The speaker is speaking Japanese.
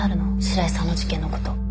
白井さんの事件のこと。